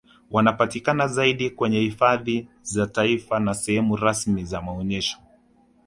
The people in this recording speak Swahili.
Wanapatikana zaidi kwenye hifadhi za taifa na sehemu rasmi za maonyesho